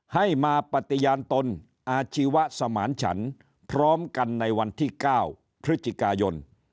ให้มาปฏิญาณตนอาชีวะสมานฉันพร้อมกันในวันที่๙พฤศจิกายน